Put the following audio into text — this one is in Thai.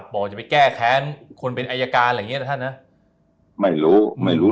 บอกจะไปแก้แค้นคนเป็นอายการอะไรอย่างนี้นะท่านนะไม่รู้ไม่รู้